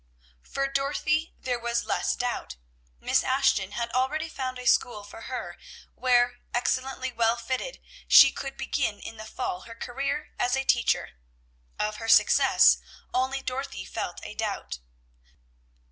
For Dorothy there was less doubt. Miss Ashton had already found a school for her, where, excellently well fitted, she could begin in the fall her career as a teacher. Of her success, only Dorothy felt a doubt.